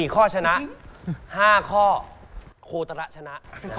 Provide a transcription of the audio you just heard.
๔ข้อชนะ๕ข้อโคตระชนะ